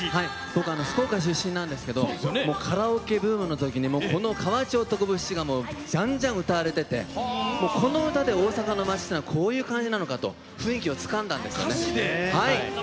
僕は福岡出身ですがカラオケブームの時にこの「河内おとこ節」がじゃんじゃん歌われててこの歌で大阪の街はこういう感じだと雰囲気をつかんだんです。